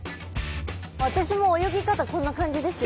私も泳ぎ方こんな感じですよ。